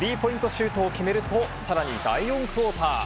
シュートを決めると、さらに第４クオーター。